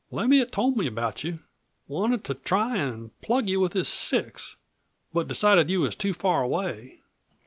"Leviatt told me about you. Wanted to try an' plug you with his six, but decided you was too far away."